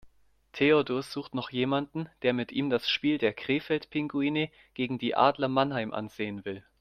Theodor sucht noch jemanden, der mit ihm das Spiel der Krefeld Pinguine gegen die Adler Mannheim ansehen will.